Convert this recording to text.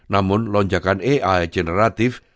namun lonjakan ai generatif